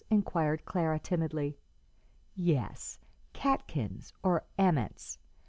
inquired Clara, timidly. "Yes, catkins, or aments.